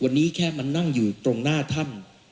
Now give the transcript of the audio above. วันนี้แค่มานั่งอยู่ตรงหน้าถ้ำ